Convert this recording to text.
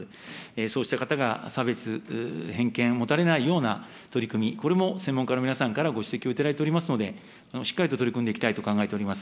そうした方が差別、偏見を持たれないような取り組み、これも専門家の皆さんからご指摘をいただいておりますので、しっかりと取り組んでいきたいと考えております。